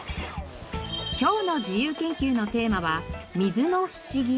今日の自由研究のテーマは「水の不思議」。